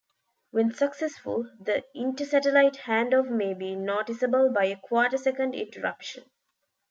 When successful, the inter-satellite handoff may be noticeable by a quarter-second interruption.